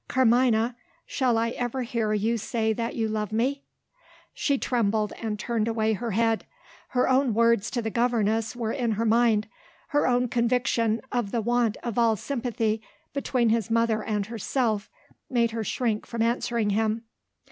Carmina! shall I ever hear you say that you love me?" She trembled, and turned away her head. Her own words to the governess were in her mind; her own conviction of the want of all sympathy between his mother and herself made her shrink from answering him.